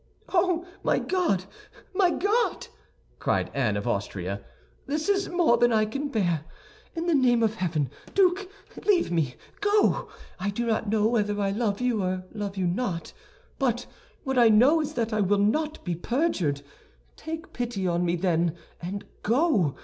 "Oh, my God, my God!" cried Anne of Austria, "this is more than I can bear. In the name of heaven, Duke, leave me, go! I do not know whether I love you or love you not; but what I know is that I will not be perjured. Take pity on me, then, and go!